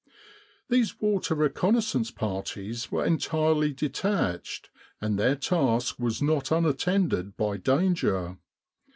These water reconnaissance parties were entirely detached, and their task was not un attended by danger.